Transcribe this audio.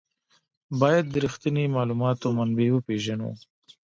باید د رښتیني معلوماتو منبع وپېژنو.